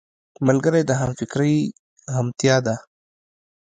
ملګری د همفکرۍ همتيا دی